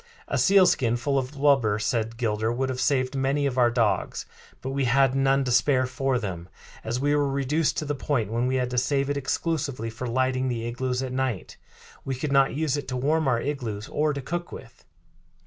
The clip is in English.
"A sealskin full of blubber," said Gilder, "would have saved many of our dogs; but we had none to spare for them, as we were reduced to the point when we had to save it exclusively for lighting the igloos at night. We could not use it to warm our igloos or to cook with.